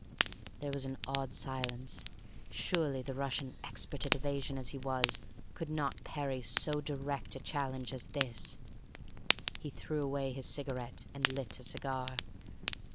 There was an awed silence. Surely the Russian, expert at evasion as he was, could not parry so direct a challenge as this. He threw away his cigarette and lit a cigar.